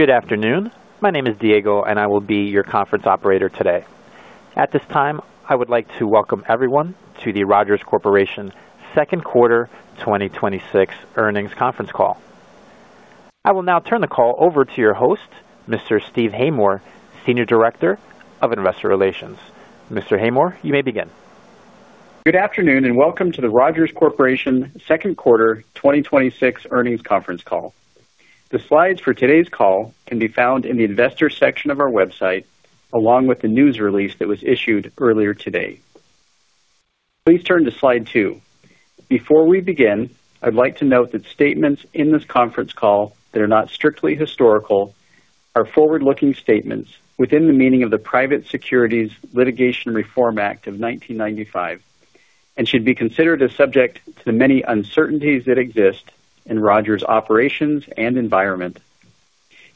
Good afternoon. My name is Diego, and I will be your conference operator today. At this time, I would like to welcome everyone to the Rogers Corporation Second Quarter 2026 Earnings Conference Call. I will now turn the call over to your host, Mr. Steve Haymore, Senior Director of Investor Relations. Mr. Haymore, you may begin. Good afternoon, and welcome to the Rogers Corporation Second Quarter 2026 Earnings Conference Call. The slides for today's call can be found in the Investors section of our website, along with the news release that was issued earlier today. Please turn to Slide two. Before we begin, I'd like to note that statements in this conference call that are not strictly historical are forward-looking statements within the meaning of the Private Securities Litigation Reform Act of 1995 and should be considered as subject to the many uncertainties that exist in Rogers' operations and environment.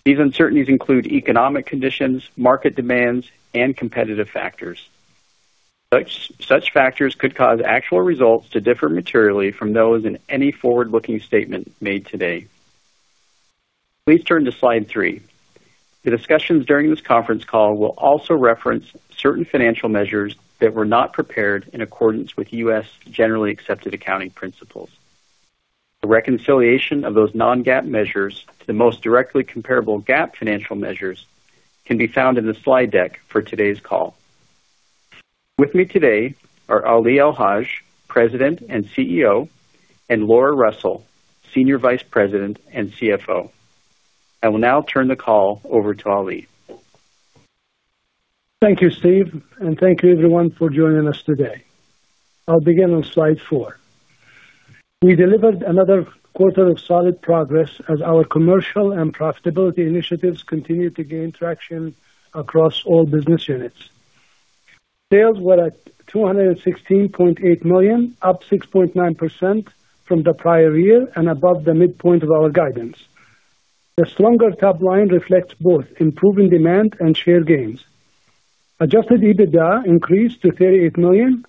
These uncertainties include economic conditions, market demands, and competitive factors. Such factors could cause actual results to differ materially from those in any forward-looking statement made today. Please turn to Slide three. The discussions during this conference call will also reference certain financial measures that were not prepared in accordance with U.S. generally accepted accounting principles. A reconciliation of those non-GAAP measures to the most directly comparable GAAP financial measures can be found in the slide deck for today's call. With me today are Ali El-Haj, President and CEO, and Laura Russell, Senior Vice President and CFO. I will now turn the call over to Ali. Thank you, Steve, and thank you, everyone, for joining us today. I'll begin on Slide four. We delivered another quarter of solid progress as our commercial and profitability initiatives continue to gain traction across all business units. Sales were at $216.8 million, up 6.9% from the prior year and above the midpoint of our guidance. The stronger top line reflects both improving demand and share gains. Adjusted EBITDA increased to $38 million,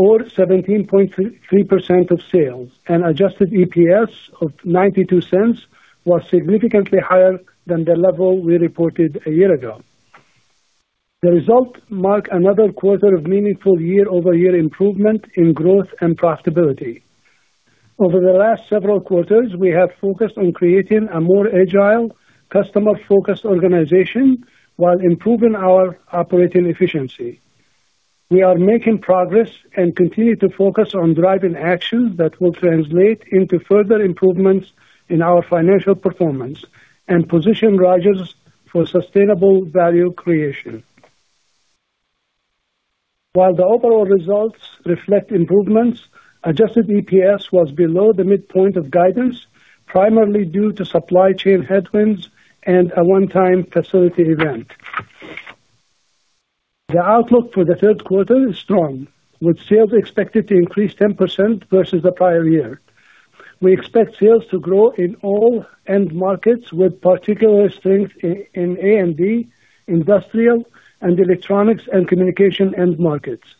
or 17.3% of sales, and adjusted EPS of $0.92 was significantly higher than the level we reported a year ago. The result marked another quarter of meaningful year-over-year improvement in growth and profitability. Over the last several quarters, we have focused on creating a more agile, customer-focused organization while improving our operating efficiency. We are making progress and continue to focus on driving actions that will translate into further improvements in our financial performance and position Rogers for sustainable value creation. While the overall results reflect improvements, adjusted EPS was below the midpoint of guidance, primarily due to supply chain headwinds and a one-time facility event. The outlook for the third quarter is strong, with sales expected to increase 10% versus the prior year. We expect sales to grow in all end markets, with particular strength in A&D, industrial, and electronics and communication end markets.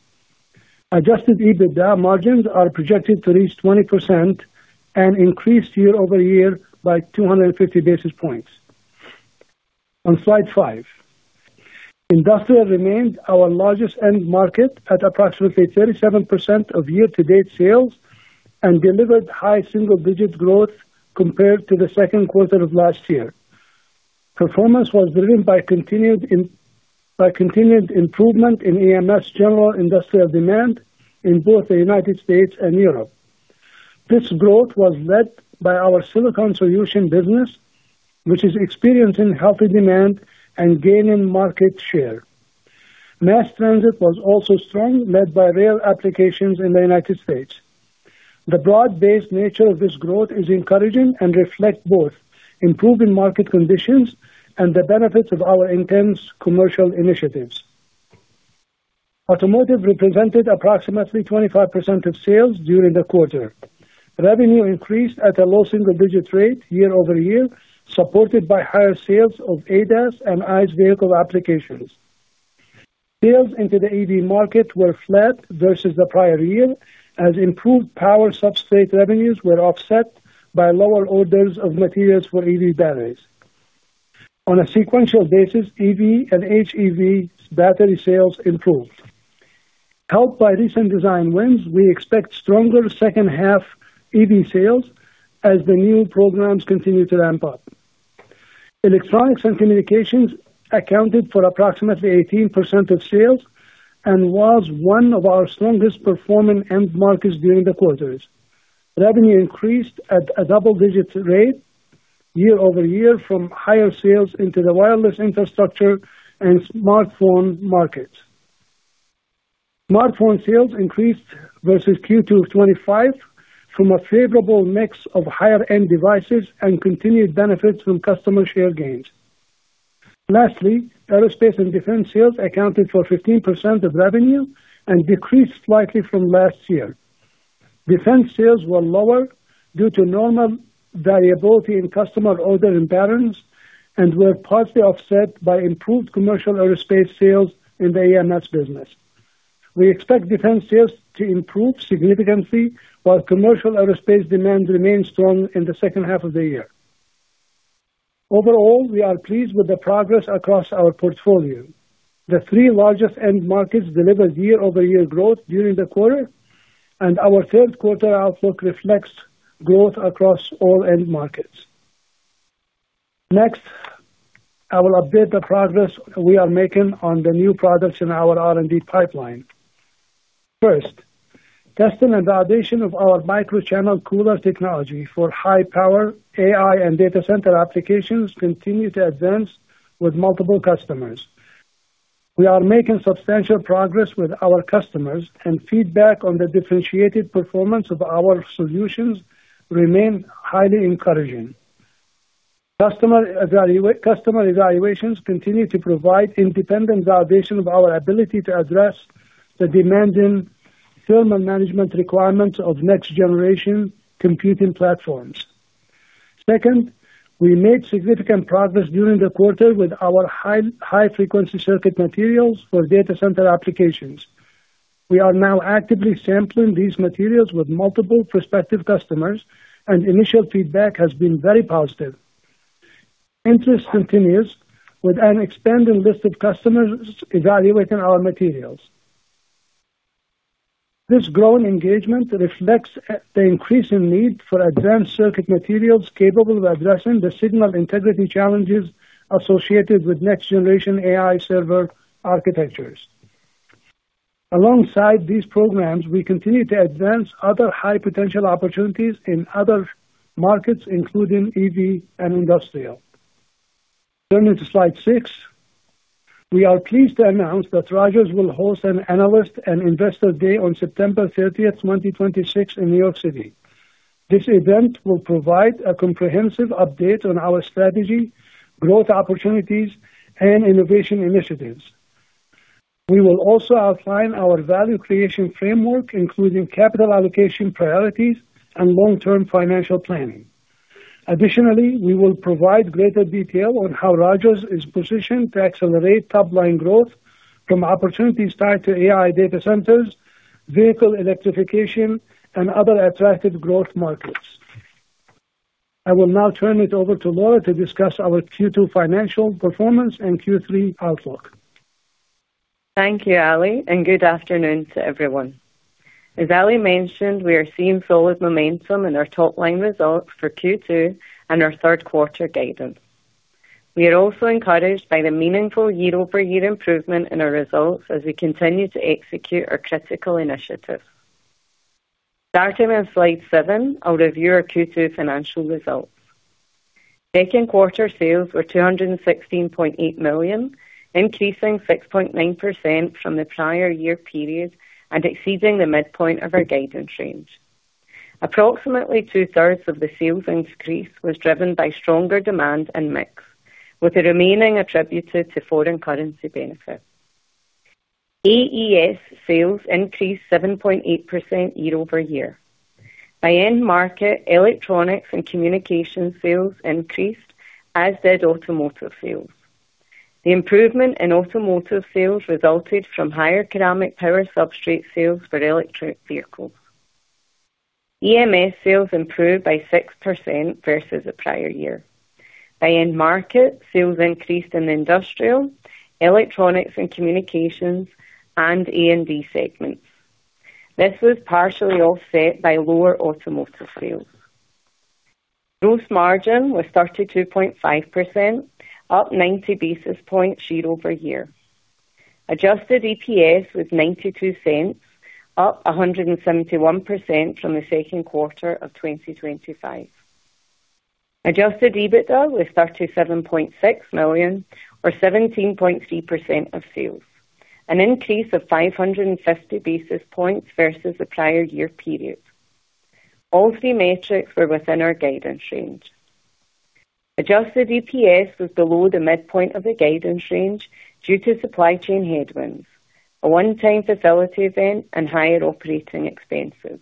Adjusted EBITDA margins are projected to reach 20% and increase year-over-year by 250 basis points. On Slide 5, industrial remained our largest end market at approximately 37% of year-to-date sales and delivered high single-digit growth compared to the second quarter of last year. Performance was driven by continued improvement in AMS general industrial demand in both the U.S. and Europe. This growth was led by our silicone solutions business, which is experiencing healthy demand and gaining market share. Mass transit was also strong, led by rail applications in the U.S. The broad-based nature of this growth is encouraging and reflects both improving market conditions and the benefits of our intense commercial initiatives. Automotive represented approximately 25% of sales during the quarter. Revenue increased at a low single-digit rate year-over-year, supported by higher sales of ADAS and ICE vehicle applications. Sales into the EV market were flat versus the prior year, as improved power substrate revenues were offset by lower orders of materials for EV batteries. On a sequential basis, EV and HEV battery sales improved. Helped by recent design wins, we expect stronger second half EV sales as the new programs continue to ramp up. Electronics and communications accounted for approximately 18% of sales and was one of our strongest performing end markets during the quarter. Revenue increased at a double-digit rate year-over-year from higher sales into the wireless infrastructure and smartphone markets. Smartphone sales increased versus Q2 2025 from a favorable mix of higher-end devices and continued benefits from customer share gains. Lastly, aerospace and defense sales accounted for 15% of revenue and decreased slightly from last year. Defense sales were lower due to normal variability in customer ordering patterns and were partially offset by improved commercial aerospace sales in the AMS business. We expect defense sales to improve significantly, while commercial aerospace demand remains strong in the second half of the year. Overall, we are pleased with the progress across our portfolio. The three largest end markets delivered year-over-year growth during the quarter, and our third quarter outlook reflects growth across all end markets. Next, I will update the progress we are making on the new products in our R&D pipeline. First, testing and validation of our microchannel cooler technology for high power AI and data center applications continue to advance with multiple customers. We are making substantial progress with our customers, and feedback on the differentiated performance of our solutions remains highly encouraging. Customer evaluations continue to provide independent validation of our ability to address the demanding thermal management requirements of next generation computing platforms. Second, we made significant progress during the quarter with our high-frequency circuit materials for data center applications. We are now actively sampling these materials with multiple prospective customers, and initial feedback has been very positive. Interest continues with an expanding list of customers evaluating our materials. This growing engagement reflects the increasing need for advanced circuit materials capable of addressing the signal integrity challenges associated with next generation AI server architectures. Alongside these programs, we continue to advance other high potential opportunities in other markets, including EV and industrial. Turning to slide six, we are pleased to announce that Rogers will host an analyst and investor day on September 30th, 2026 in New York City. This event will provide a comprehensive update on our strategy, growth opportunities, and innovation initiatives. We will also outline our value creation framework, including capital allocation priorities and long-term financial planning. Additionally, we will provide greater detail on how Rogers is positioned to accelerate top-line growth from opportunities tied to AI data centers, vehicle electrification, and other attractive growth markets. I will now turn it over to Laura to discuss our Q2 financial performance and Q3 outlook. Thank you, Ali, and good afternoon to everyone. As Ali mentioned, we are seeing solid momentum in our top-line results for Q2 and our third quarter guidance. We are also encouraged by the meaningful year-over-year improvement in our results as we continue to execute our critical initiatives. Starting on slide seven, I'll review our Q2 financial results. Second quarter sales were $216.8 million, increasing 6.9% from the prior year period and exceeding the midpoint of our guidance range. Approximately two-thirds of the sales increase was driven by stronger demand and mix, with the remaining attributed to foreign currency benefits. AES sales increased 7.8% year-over-year. By end market, electronics and communication sales increased, as did automotive sales. The improvement in automotive sales resulted from higher ceramic power substrate sales for electric vehicles. EMS sales improved by 6% versus the prior year. By end market, sales increased in industrial, electronics and communications, and A&D segments. This was partially offset by lower automotive sales. Gross margin was 32.5%, up 90 basis points year-over-year. Adjusted EPS was $0.92, up 171% from the second quarter of 2025. Adjusted EBITDA was $37.6 million or 17.3% of sales, an increase of 550 basis points versus the prior year period. All three metrics were within our guidance range. Adjusted EPS was below the midpoint of the guidance range due to supply chain headwinds, a one-time facility event, and higher operating expenses.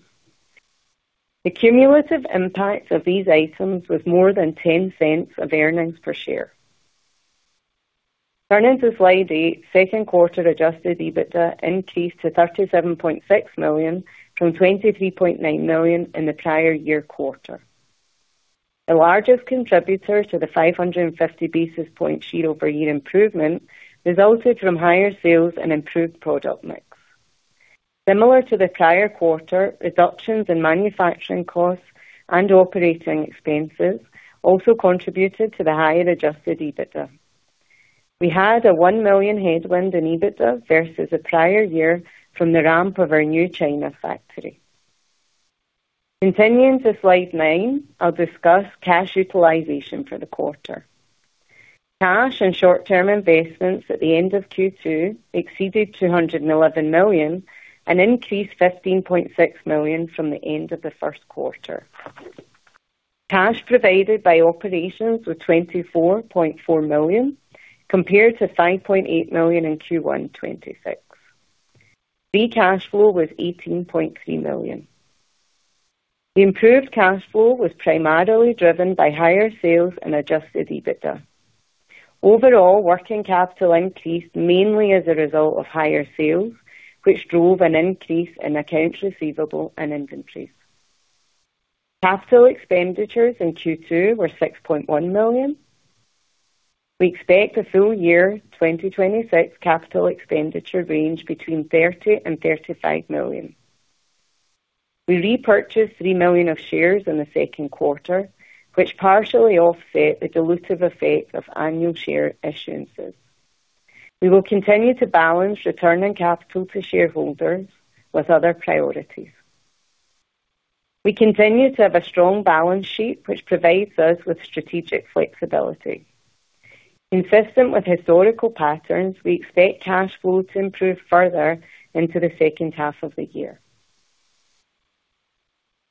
The cumulative impact of these items was more than $0.10 of earnings per share. Turning to slide eight, second quarter Adjusted EBITDA increased to $37.6 million from $23.9 million in the prior year quarter. The largest contributor to the 550 basis point year-over-year improvement resulted from higher sales and improved product mix. Similar to the prior quarter, reductions in manufacturing costs and operating expenses also contributed to the higher Adjusted EBITDA. We had a $1 million headwind in EBITDA versus the prior year from the ramp of our new China factory. Continuing to slide nine, I'll discuss cash utilization for the quarter. Cash and short-term investments at the end of Q2 exceeded $211 million, an increase $15.6 million from the end of the first quarter. Cash provided by operations was $24.4 million, compared to $5.8 million in Q1 2026. Free cash flow was $18.3 million. The improved cash flow was primarily driven by higher sales and adjusted EBITDA. Overall, working capital increased mainly as a result of higher sales, which drove an increase in accounts receivable and inventories. Capital expenditures in Q2 were $6.1 million. We expect the full year 2026 capital expenditure range between $30 million and $35 million. We repurchased $3 million of shares in the second quarter, which partially offset the dilutive effects of annual share issuances. We will continue to balance returning capital to shareholders with other priorities. We continue to have a strong balance sheet, which provides us with strategic flexibility. Consistent with historical patterns, we expect cash flow to improve further into the second half of the year.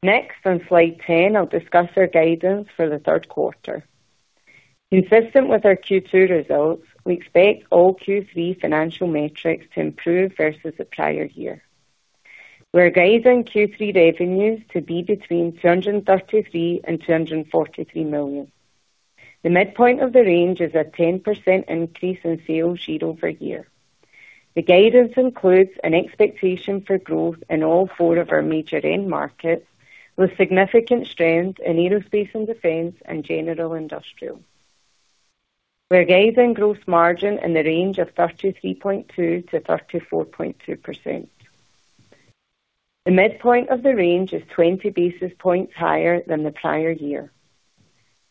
Next, on slide 10, I'll discuss our guidance for the third quarter. Consistent with our Q2 results, we expect all Q3 financial metrics to improve versus the prior year. We're guiding Q3 revenues to be between $233 million and $243 million. The midpoint of the range is a 10% increase in sales year-over-year. The guidance includes an expectation for growth in all four of our major end markets, with significant strength in aerospace and defense and general industrial. We're guiding gross margin in the range of 33.2%-34.2%. The midpoint of the range is 20 basis points higher than the prior year.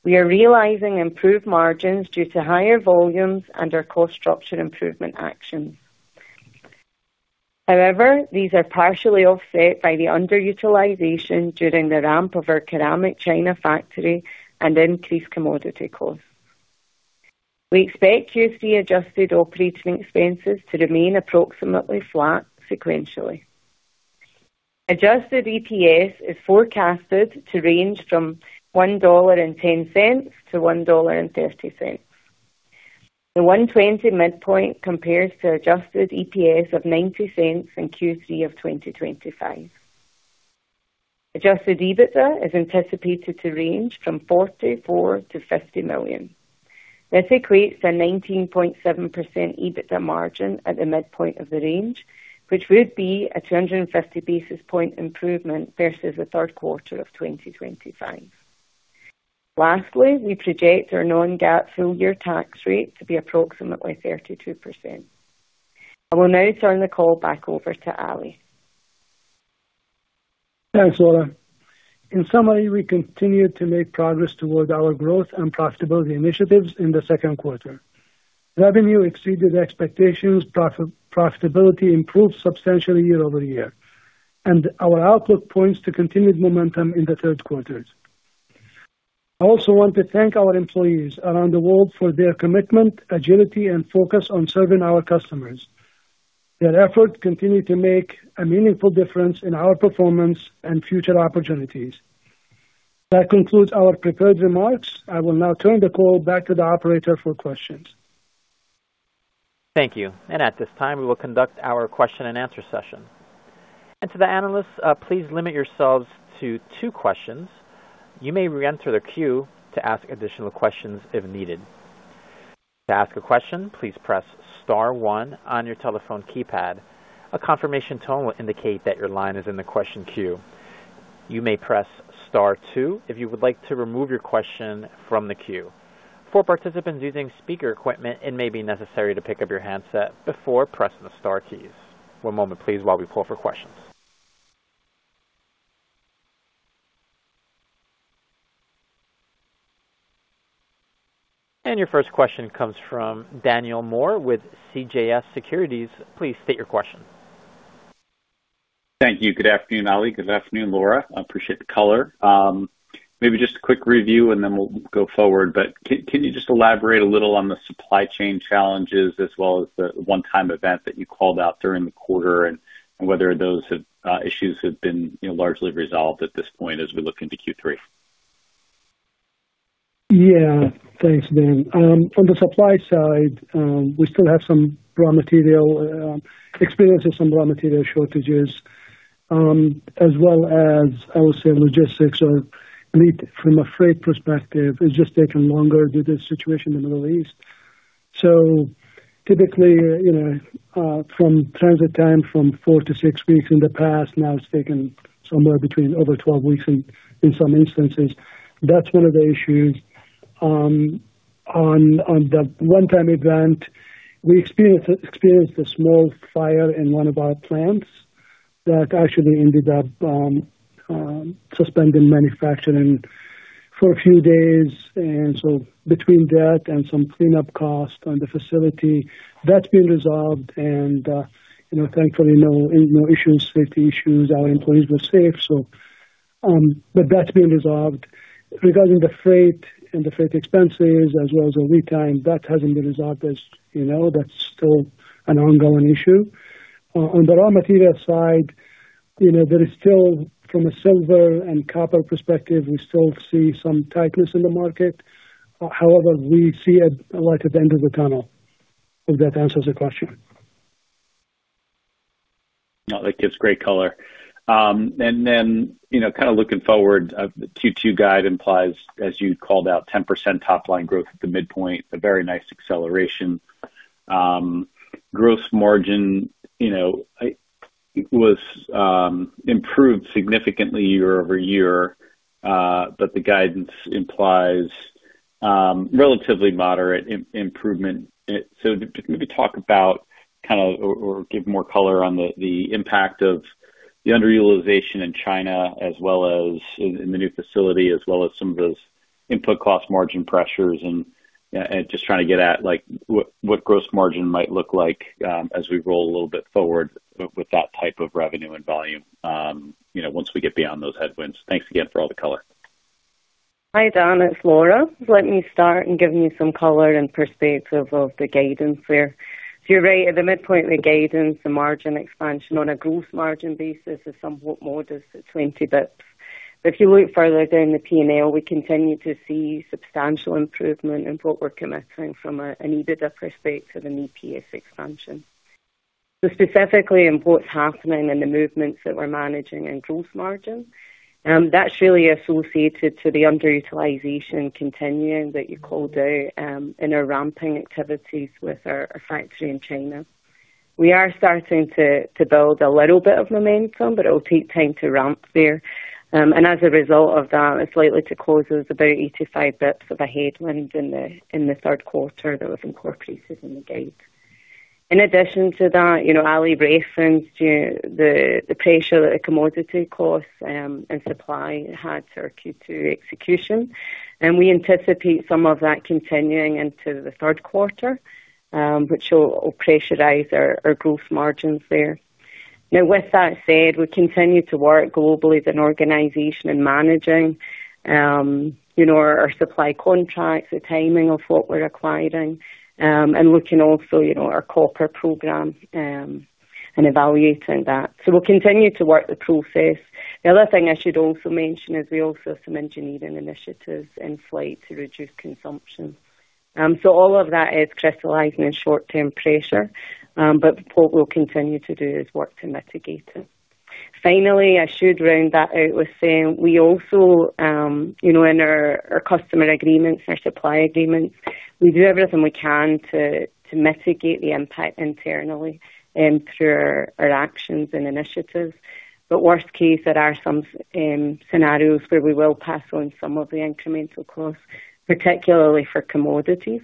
We are realizing improved margins due to higher volumes and our cost structure improvement actions. However, these are partially offset by the underutilization during the ramp of our ceramic China factory and increased commodity costs. We expect Q3 adjusted operating expenses to remain approximately flat sequentially. Adjusted EPS is forecasted to range from $1.10-$1.30. The $1.20 midpoint compares to adjusted EPS of $0.90 in Q3 of 2025. Adjusted EBITDA is anticipated to range from $44 million-$50 million. This equates to a 19.7% EBITDA margin at the midpoint of the range, which would be a 250 basis point improvement versus the third quarter of 2025. Lastly, we project our non-GAAP full-year tax rate to be approximately 32%. I will now turn the call back over to Ali. Thanks, Laura. In summary, we continued to make progress toward our growth and profitability initiatives in the second quarter. Revenue exceeded expectations. Profitability improved substantially year-over-year. Our outlook points to continued momentum in the third quarter. I also want to thank our employees around the world for their commitment, agility, and focus on serving our customers. Their efforts continue to make a meaningful difference in our performance and future opportunities. That concludes our prepared remarks. I will now turn the call back to the operator for questions. Thank you. At this time, we will conduct our question and answer session. To the analysts, please limit yourselves to two questions. You may reenter the queue to ask additional questions if needed. To ask a question, please press star one on your telephone keypad. A confirmation tone will indicate that your line is in the question queue. You may press star two if you would like to remove your question from the queue. For participants using speaker equipment, it may be necessary to pick up your handset before pressing the star keys. One moment, please, while we pull for questions. Your first question comes from Daniel Moore with CJS Securities. Please state your question. Thank you. Good afternoon, Ali. Good afternoon, Laura. I appreciate the color. Maybe just a quick review, then we'll go forward. Can you just elaborate a little on the supply chain challenges as well as the one-time event that you called out during the quarter and whether those issues have been largely resolved at this point as we look into Q3? Yeah. Thanks, Dan. On the supply side, we still have experiencing some raw material shortages, as well as, I would say, logistics or lead from a freight perspective. It's just taking longer due to the situation in the Middle East. Typically, from transit time from four to six weeks in the past, now it's taking somewhere between over 12 weeks in some instances. That's one of the issues. On the one-time event, we experienced a small fire in one of our plants that actually ended up suspending manufacturing for a few days. Between that and some cleanup costs on the facility, that's been resolved. Thankfully, no issues, safety issues. Our employees were safe. That's been resolved. Regarding the freight and the freight expenses, as well as the lead time, that hasn't been resolved, as you know. That's still an ongoing issue. On the raw material side, there is still, from a silver and copper perspective, we still see some tightness in the market. However, we see a light at the end of the tunnel. Hope that answers the question. No, that gives great color. Looking forward, kind of, the Q2 guide implies, as you called out, 10% top-line growth at the midpoint, a very nice acceleration. Gross margin, it was improved significantly year-over-year, the guidance implies relatively moderate improvement. Just maybe talk about or give more color on the impact of the underutilization in China as well as in the new facility, as well as some of those input cost margin pressures and just trying to get at what gross margin might look like as we roll a little bit forward with that type of revenue and volume once we get beyond those headwinds. Thanks again for all the color. Hi, Daniel, it's Laura. Let me start and give you some color and perspective of the guidance there. You're right at the midpoint of the guidance, the margin expansion on a gross margin basis is somewhat modest at 20 basis points. If you look further down the P&L, we continue to see substantial improvement in what we're committing from an EBITDA perspective and EPS expansion. Specifically on what's happening and the movements that we're managing in gross margin, that's really associated to the underutilization continuing that you called out in our ramping activities with our factory in China. We are starting to build a little bit of momentum, it will take time to ramp there. As a result of that, it's likely to cause us about 85 basis points of a headwind in the third quarter that was incorporated in the guide. In addition to that, Ali referenced the pressure that the commodity costs and supply had to our Q2 execution. We anticipate some of that continuing into the third quarter, which will pressurize our gross margins there. With that said, we continue to work globally as an organization in managing our supply contracts, the timing of what we're acquiring, and looking also our copper program, and evaluating that. We'll continue to work the process. The other thing I should also mention is we also have some engineering initiatives in flight to reduce consumption. All of that is crystallizing in short-term pressure. What we'll continue to do is work to mitigate it. Finally, I should round that out with saying, we also in our customer agreements, our supply agreements, we do everything we can to mitigate the impact internally through our actions and initiatives. Worst case, there are some scenarios where we will pass on some of the incremental costs, particularly for commodities.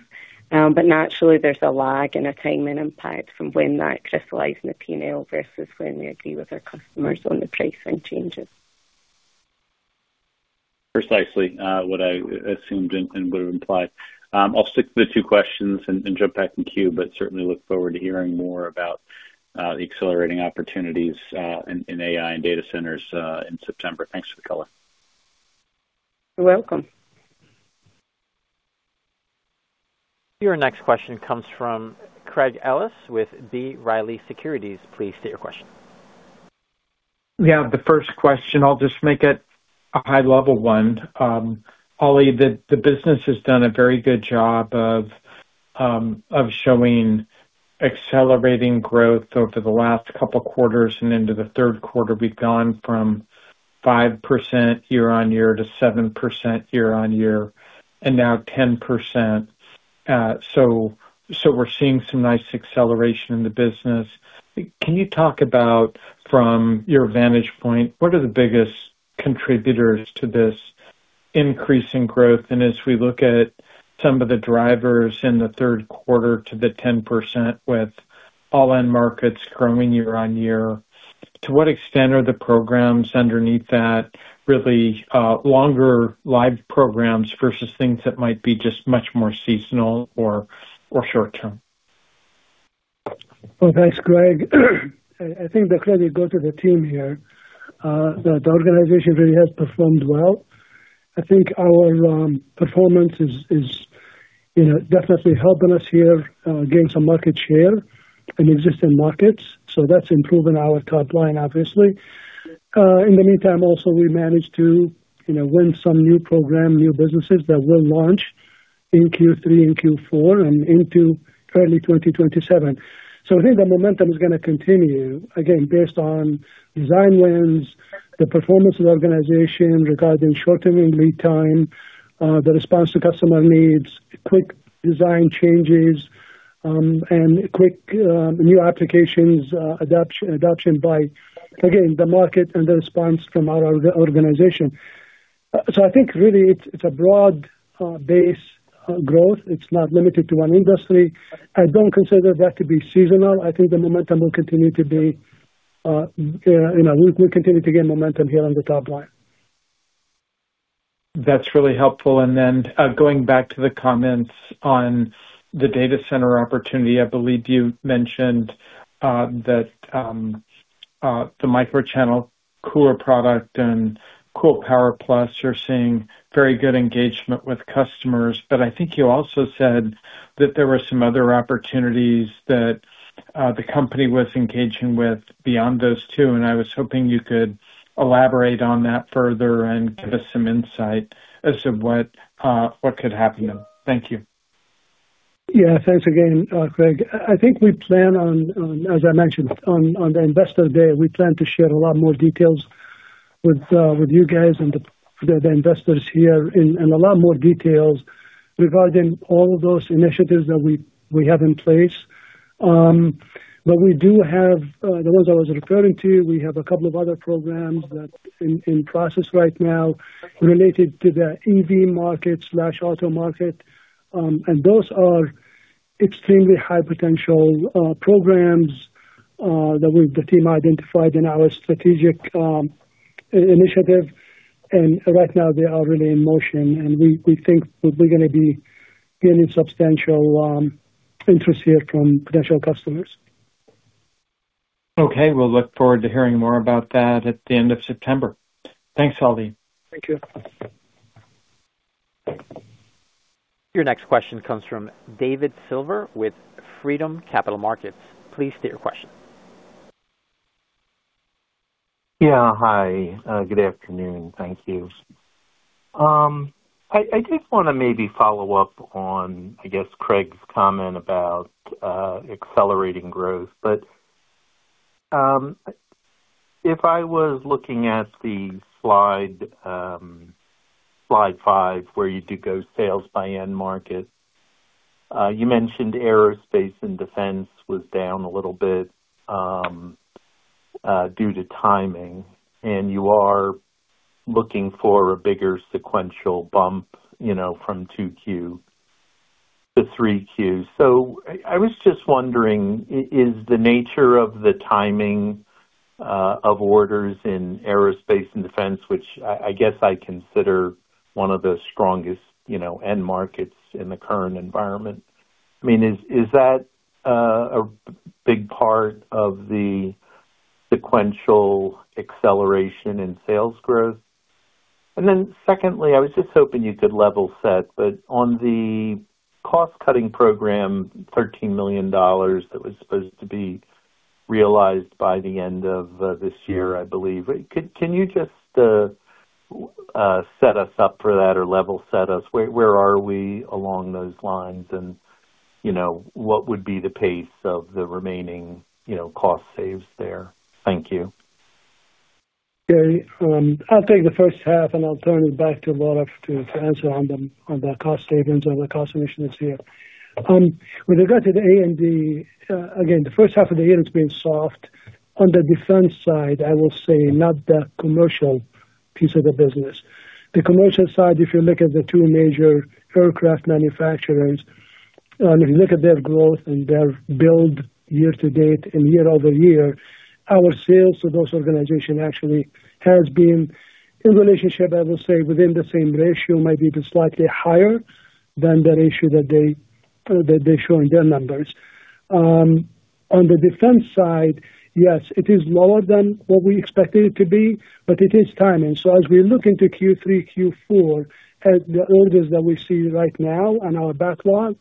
Naturally, there's a lag and a timing impact from when that crystallizes in the P&L versus when we agree with our customers on the pricing changes. Precisely what I assumed and would have implied. I'll stick to the two questions and jump back in queue, but certainly look forward to hearing more about the accelerating opportunities in AI and data centers in September. Thanks for the color. You're welcome. Your next question comes from Craig Ellis with B. Riley Securities. Please state your question. Yeah. The first question, I'll just make it a high-level one. Ali, the business has done a very good job of showing accelerating growth over the last couple quarters and into the third quarter. We've gone from 5% year-on-year to 7% year-on-year, and now 10%. We're seeing some nice acceleration in the business. Can you talk about, from your vantage point, what are the biggest contributors to this increase in growth? And as we look at some of the drivers in the third quarter to the 10% with all end markets growing year-on-year, to what extent are the programs underneath that really longer live programs versus things that might be just much more seasonal or short-term? Well, thanks, Craig. I think the credit goes to the team here. The organization really has performed well. I think our performance is definitely helping us here gain some market share in existing markets. That's improving our top line, obviously. In the meantime, also, we managed to win some new program, new businesses that will launch in Q3 and Q4 and into early 2027. I think the momentum is going to continue, again, based on design wins, the performance of the organization regarding shortening lead time, the response to customer needs, quick design changes, and quick new applications adoption by, again, the market and the response from our organization. I think really it's a broad base growth. It's not limited to one industry. I don't consider that to be seasonal. I think the momentum will continue to gain momentum here on the top line. That's really helpful. Going back to the comments on the data center opportunity, I believe you mentioned that the microchannel cooler product and curamik Power Plus are seeing very good engagement with customers. I think you also said that there were some other opportunities that the company was engaging with beyond those two, I was hoping you could elaborate on that further and give us some insight as to what could happen. Thank you. Yeah. Thanks again, Craig. I think we plan on, as I mentioned on the investor day, we plan to share a lot more details with you guys and the investors here and a lot more details regarding all of those initiatives that we have in place. We do have, the ones I was referring to, we have a couple of other programs that in process right now related to the EV market/auto market. Those are extremely high potential programs that the team identified in our strategic initiative. Right now they are really in motion, and we think that we're going to be getting substantial interest here from potential customers. Okay. We'll look forward to hearing more about that at the end of September. Thanks, Ali. Thank you. Your next question comes from David Silver with Freedom Capital Markets. Please state your question. Yeah. Hi. Good afternoon. Thank you. I just want to maybe follow up on, I guess, Craig's comment about accelerating growth. If I was looking at the slide five, where you do go sales by end market, you mentioned Aerospace and Defense was down a little bit due to timing. You are looking for a bigger sequential bump from 2Q to 3Q. I was just wondering, is the nature of the timing of orders in Aerospace and Defense, which I guess I consider one of the strongest end markets in the current environment. Is that a big part of the sequential acceleration in sales growth? Secondly, I was just hoping you could level set, on the cost-cutting program, $13 million that was supposed to be realized by the end of this year, I believe. Can you just set us up for that or level set us? Where are we along those lines? What would be the pace of the remaining cost saves there? Thank you. Okay. I'll take the first half, I'll turn it back to Laura to answer on the cost savings or the cost initiatives here. With regard to the A&D, again, the first half of the year it's been soft on the defense side, I will say not the commercial piece of the business. The commercial side, if you look at the two major aircraft manufacturers, if you look at their growth and their build year-to-date and year-over-year, our sales to those organization actually has been in relationship, I will say within the same ratio, maybe even slightly higher than the ratio that they show in their numbers. On the defense side, yes, it is lower than what we expected it to be, it is timing. As we look into Q3, Q4 at the orders that we see right now and our backlog,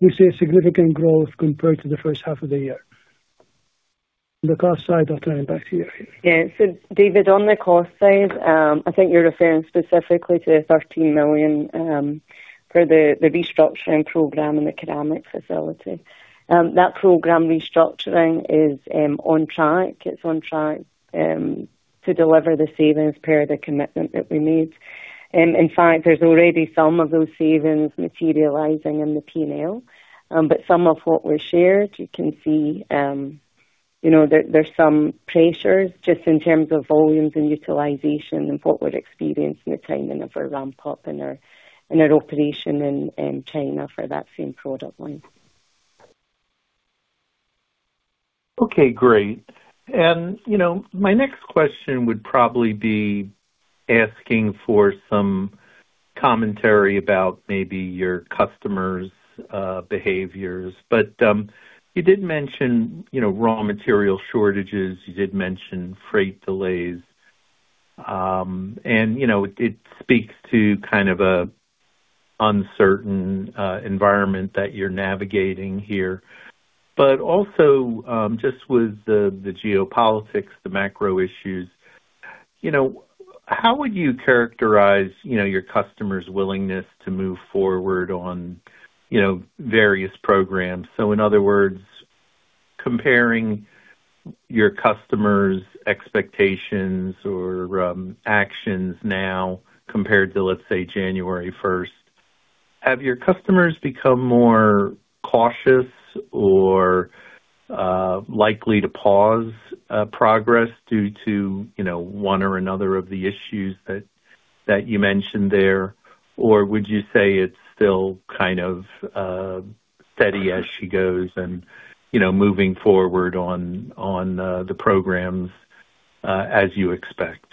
we see a significant growth compared to the first half of the year. The cost side, I'll turn it back to you. Yeah. David, on the cost side, I think you're referring specifically to the $13 million for the restructuring program in the ceramic facility. That program restructuring is on track. It's on track to deliver the savings per the commitment that we made. In fact, there's already some of those savings materializing in the P&L. Some of what we shared, you can see there's some pressures just in terms of volumes and utilization and what we're experiencing the timing of our ramp-up and our operation in China for that same product line. Okay, great. My next question would probably be asking for some commentary about maybe your customers' behaviors. You did mention raw material shortages. You did mention freight delays. It speaks to kind of an uncertain environment that you're navigating here. Also, just with the geopolitics, the macro issues. How would you characterize your customers' willingness to move forward on various programs? So in other words, comparing your customers' expectations or actions now compared to, let's say, January 1st. Have your customers become more cautious or likely to pause progress due to one or another of the issues that you mentioned there? Or would you say it's still kind of steady as she goes and moving forward on the programs as you expect?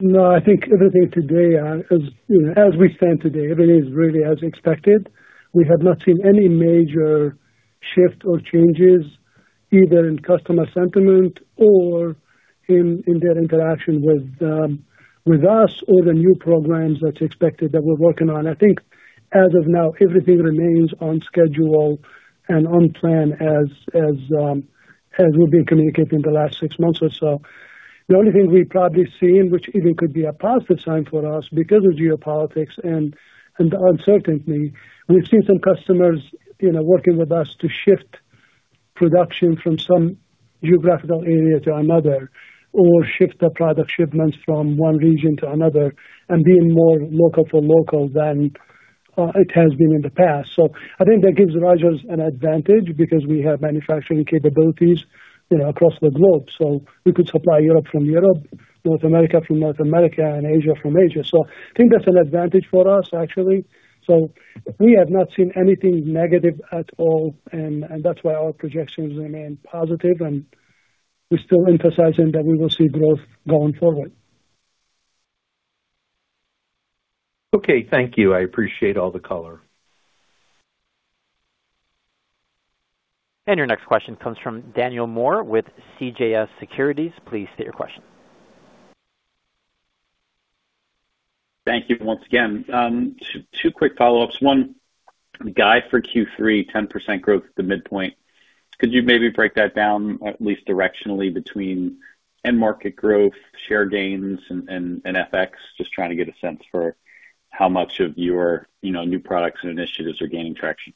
No, I think everything today as we stand today, everything is really as expected. We have not seen any major shift or changes either in customer sentiment or in their interaction with us or the new programs that's expected that we're working on. I think as of now, everything remains on schedule and on plan as we've been communicating the last six months or so. The only thing we've probably seen, which even could be a positive sign for us because of geopolitics and uncertainty, we've seen some customers working with us to shift production from some geographical area to another, or shift the product shipments from one region to another and being more local for local than it has been in the past. I think that gives Rogers an advantage because we have manufacturing capabilities across the globe. We could supply Europe from Europe, North America from North America, and Asia from Asia. I think that's an advantage for us actually. We have not seen anything negative at all, and that's why our projections remain positive, and we're still emphasizing that we will see growth going forward. Okay. Thank you. I appreciate all the color. Your next question comes from Daniel Moore with CJS Securities. Please state your question. Thank you once again. Two quick follow-ups. One, the guide for Q3, 10% growth at the midpoint. Could you maybe break that down at least directionally between end market growth, share gains, and FX? Just trying to get a sense for how much of your new products and initiatives are gaining traction.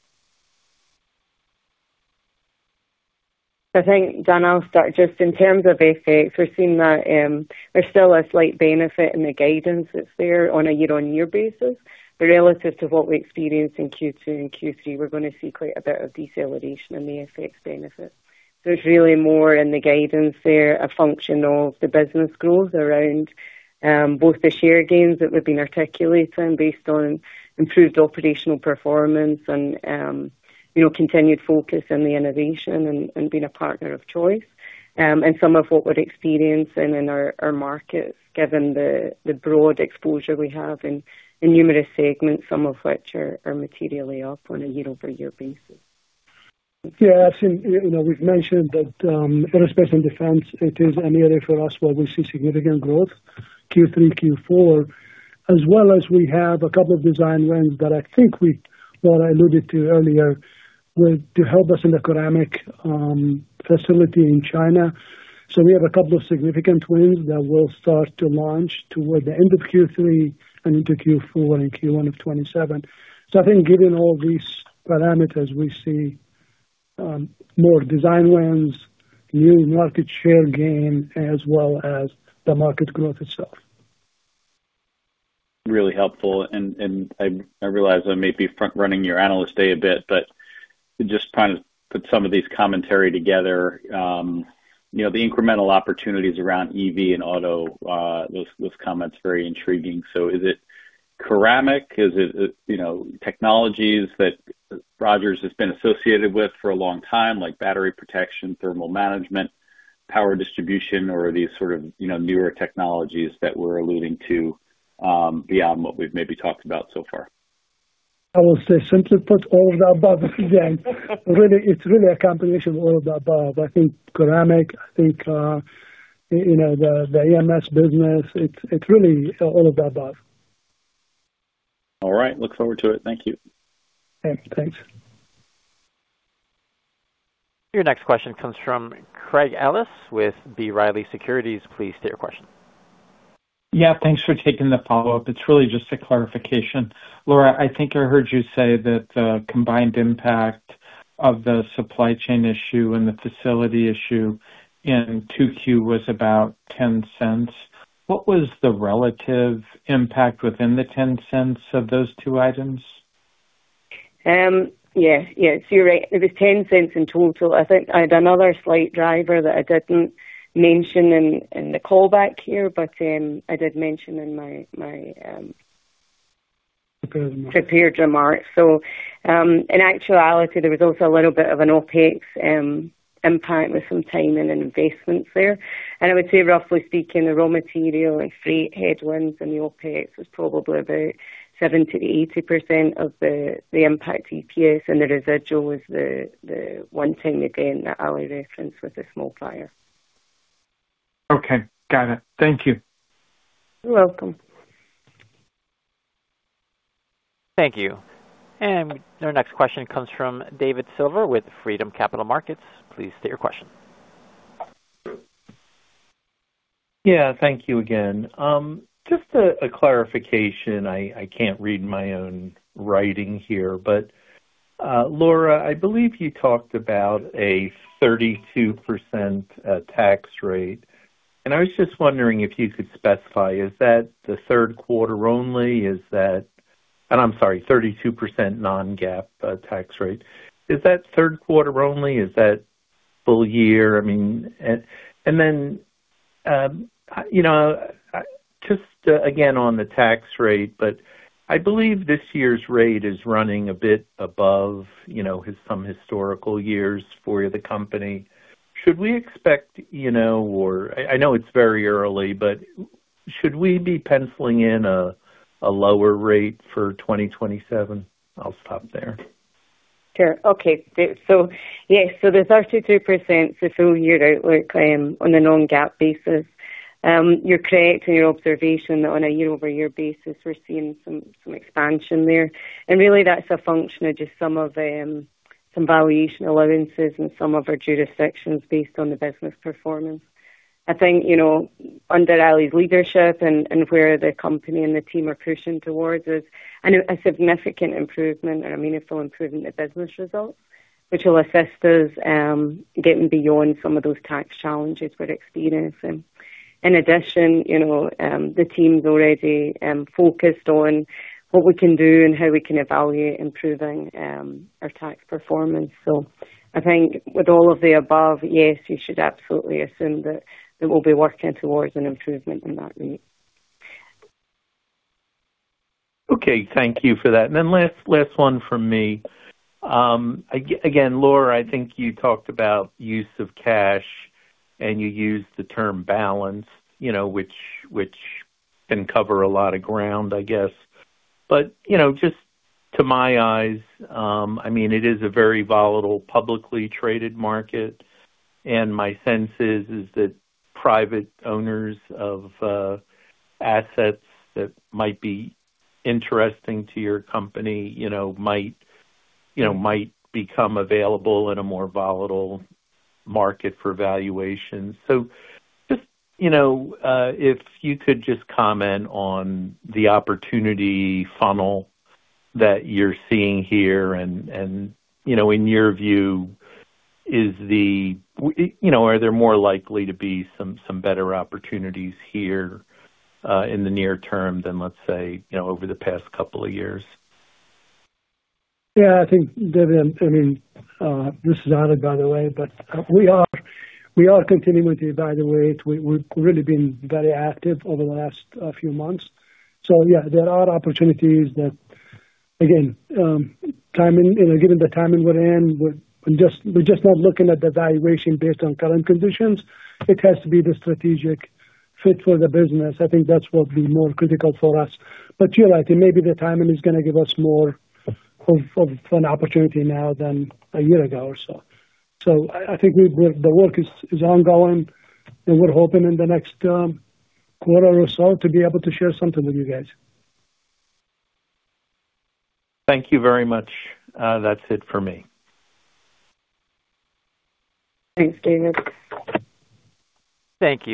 I think, Dan, I'll start. Just in terms of FX, we're seeing that there's still a slight benefit in the guidance that's there on a year-on-year basis. Relative to what we experience in Q2 and Q3, we're going to see quite a bit of deceleration in the FX benefit. It's really more in the guidance there, a function of the business growth around both the share gains that we've been articulating based on improved operational performance and continued focus on the innovation and being a partner of choice. Some of what we're experiencing in our markets, given the broad exposure we have in numerous segments, some of which are materially off on a year-over-year basis. I think we've mentioned that aerospace and defense, it is an area for us where we see significant growth, Q3, Q4, as well as we have a couple of design wins that I think what I alluded to earlier, will help us in the ceramic facility in China. We have a couple of significant wins that will start to launch toward the end of Q3 and into Q4 and Q1 of 2027. I think given all these parameters, we see more design wins, new market share gain, as well as the market growth itself. Really helpful. I realize I may be front-running your Analyst Day a bit, but just trying to put some of these commentary together. The incremental opportunities around EV and auto, those comments are very intriguing. Is it ceramic? Is it technologies that Rogers has been associated with with for a long time, like battery protection, thermal management, power distribution? Are these sort of newer technologies that we're alluding to, beyond what we've maybe talked about so far? I would say simply put all of the above. It's really a combination of all of the above. I think ceramic, the AMS business. It's really all of the above. Look forward to it. Thank you. Okay. Thanks. Your next question comes from Craig Ellis with B. Riley Securities. Please state your question. Yeah. Thanks for taking the follow-up. It's really just a clarification. Laura, I think I heard you say that the combined impact of the supply chain issue and the facility issue in 2Q was about $0.10. What was the relative impact within the $0.10 of those two items? Yeah. You're right, it was $0.10 in total. I think I had another slight driver that I didn't mention in the call back here. Prepared remarks Prepared remarks. In actuality, there was also a little bit of an OpEx impact with some timing and investments there. I would say, roughly speaking, the raw material and freight headwinds and the OpEx was probably about 70%-80% of the impact to EPS, and the residual was the one-time gain that Ali referenced with the small client. Okay. Got it. Thank you. You're welcome. Thank you. Our next question comes from David Silver with Freedom Capital Markets. Please state your question. Yeah. Thank you again. Just a clarification. I can't read my own writing here, but Laura, I believe you talked about a 32% tax rate. I was just wondering if you could specify, is that the third quarter only? Is that I'm sorry, 32% non-GAAP tax rate. Is that third quarter only? Is that full year? Then, just again, on the tax rate, I believe this year's rate is running a bit above some historical years for the company. Should we expect or, I know it's very early, but should we be penciling in a lower rate for 2027? I'll stop there. Sure. Okay. Yes, the 32% is a full year outlook on a non-GAAP basis. You're correct in your observation that on a year-over-year basis, we're seeing some expansion there. Really that's a function of just some valuation allowances in some of our jurisdictions based on the business performance. I think, under Ali's leadership and where the company and the team are pushing towards is a significant improvement and a meaningful improvement in business results, which will assist us getting beyond some of those tax challenges we're experiencing. In addition, the team's already focused on what we can do and how we can evaluate improving our tax performance. I think with all of the above, yes, you should absolutely assume that we'll be working towards an improvement in that rate. Okay, thank you for that. Then last one from me. Again, Laura, I think you talked about use of cash and you used the term balance, which can cover a lot of ground, I guess. Just to my eyes, it is a very volatile publicly traded market. My sense is that private owners of assets that might be interesting to your company might become available in a more volatile market for valuation. If you could just comment on the opportunity funnel that you're seeing here and in your view, are there more likely to be some better opportunities here in the near term than, let's say, over the past couple of years? Yeah, I think, David. This is Ali, by the way. We are continuing with the evaluate. We've really been very active over the last few months. Yeah, there are opportunities that, again, given the timing we're in, we're just not looking at the valuation based on current conditions. It has to be the strategic fit for the business. I think that's what will be more critical for us. You're right, maybe the timing is going to give us more of an opportunity now than a year ago or so. I think the work is ongoing, and we're hoping in the next quarter or so to be able to share something with you guys. Thank you very much. That's it for me. Thanks, David. Thank you.